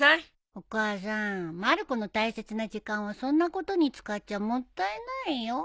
お母さんまる子の大切な時間をそんなことに使っちゃもったいないよ。